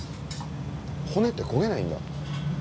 骨って焦げないんだ。